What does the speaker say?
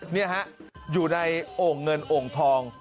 นี่ฮะอยู่ในโอ่งเงินโอ่งทอง